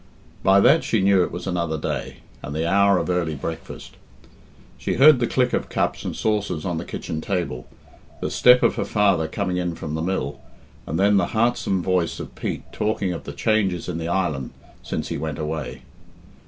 By that she knew it was another day, and the hour of early breakfast. She heard the click of cups and saucers on the kitchen table, the step of her father coming in from the mill, and then the heartsome voice of Pete talking of the changes in the island since he went away.